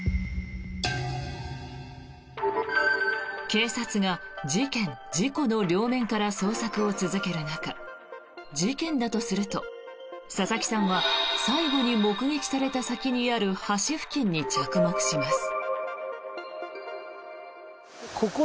警察が事件・事故の両面から捜索を続ける中事件だとすると、佐々木さんは最後に目撃された先にある橋付近に着目します。